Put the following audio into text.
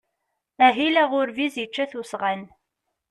Ahil aɣurbiz yečča-t usɣan.